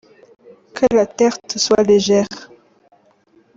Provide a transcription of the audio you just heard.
Que la terre te soit légère.